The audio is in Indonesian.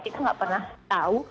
kita nggak pernah tahu